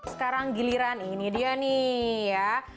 sekarang giliran ini dia nih ya